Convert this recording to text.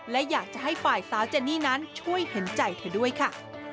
และอยากจะให้ฝ่ายสาวเจนี่นั้นช่วยเห็นใจเธอด้วยค่ะ